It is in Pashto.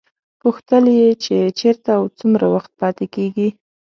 پوښتل یې چې چېرته او څومره وخت پاتې کېږي.